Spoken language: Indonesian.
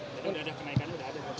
sudah ada kenaikan